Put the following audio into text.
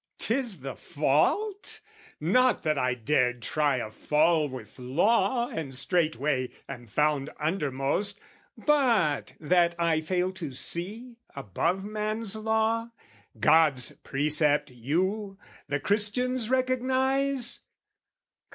'Tis the fault, not that I dared try a fall With Law and straightway am found undermost, But that I fail to see, above man's law, God's precept you, the Christians recognise?